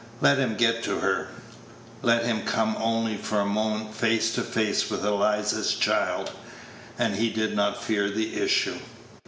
Let him get to her let him come only for a moment face to face with Eliza's child, and he did not fear the issue.